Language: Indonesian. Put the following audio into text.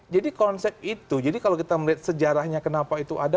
jadi konsep itu jadi kalau kita melihat sejarahnya kenapa itu ada